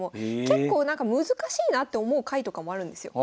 結構なんか難しいなって思う回とかもあるんですよ。